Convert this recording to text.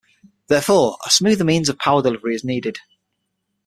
Therefore, a smoother means of power delivery is needed.